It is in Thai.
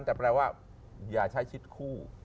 แต่แปลว่าอย่าใช้ชิดคู่